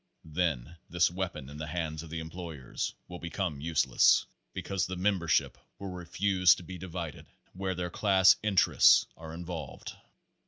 Then this weapon in the hands of the employ Thirty five ers will become useless, because the membership will refuse to be divided where their class interests are in volved.